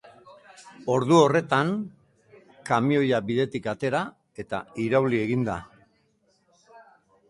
Ordu horretan, kamioia bidetik atera eta irauli egin da.